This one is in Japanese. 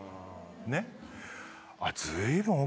ねっ。